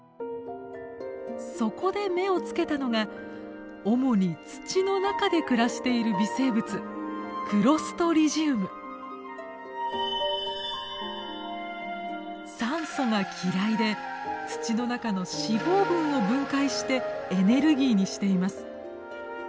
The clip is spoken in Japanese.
そこで目を付けたのが主に土の中で暮らしている微生物酸素が嫌いで土の中の脂肪分を分解してエネルギーにしています。